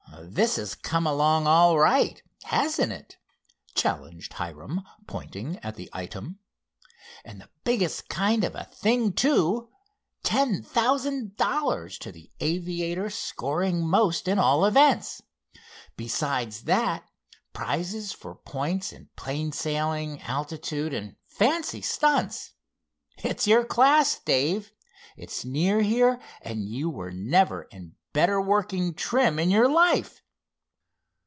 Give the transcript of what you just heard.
"This has come along all right; hasn't it?" challenged Hiram, pointing at the item. "And the biggest kind of a thing, too. 'Ten thousand dollars to the aviator scoring most in all events.' Besides that, prizes for points in plain sailing, altitude and fancy stunts. It's your class, Dave, it's near here and you were never in better working trim in your life."